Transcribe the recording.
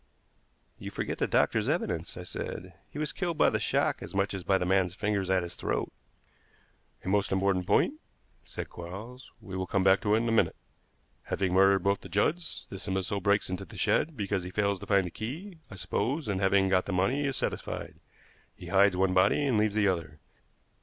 "You forget the doctor's evidence," I said. "He was killed by the shock as much as by the man's fingers at his throat." "A most important point," said Quarles; "we will come back to it in a minute. Having murdered both the Judds, this imbecile breaks into the shed, because he fails to find the key, I suppose; and having got the money, is satisfied. He hides one body and leaves the other.